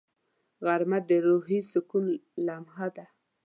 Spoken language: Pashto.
غرمه د روحي سکون لمحه ده